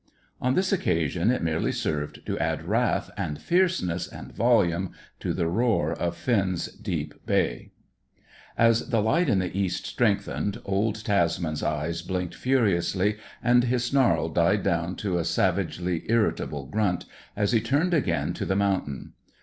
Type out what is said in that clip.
On this occasion, it merely served to add wrath, and fierceness, and volume to the roar of Finn's deep bay. As the light in the east strengthened, old Tasman's eyes blinked furiously, and his snarl died down to a savagely irritable grunt, as he turned again to the mountain.